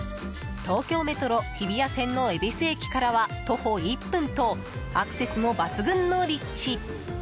東京メトロ日比谷線の恵比寿駅からは徒歩１分とアクセスも抜群の立地。